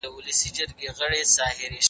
هیلوالهګله